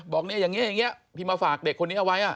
บอกอย่างนี้พี่มาฝากเด็กคนนี้เอาไว้